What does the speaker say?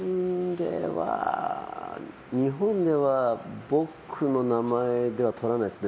日本では僕の名前では取らないですね。